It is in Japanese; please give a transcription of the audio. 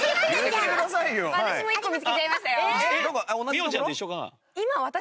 美穂ちゃんと一緒かな？